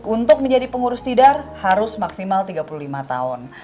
untuk menjadi pengurus tidar harus maksimal tiga puluh lima tahun